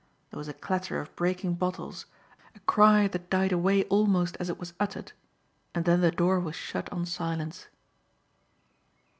There was a clatter of breaking bottles, a cry that died away almost as it was uttered, and then the door was shut on silence.